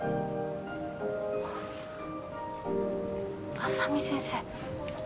浅海先生。